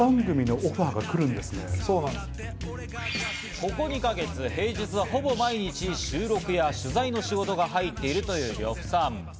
ここ２か月、平日はほぼ毎日収録や取材の仕事が入っているという呂布さん。